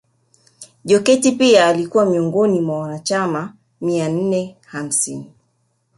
Jokate pia alikuwa miongoni mwa wanachama mia nne hamsini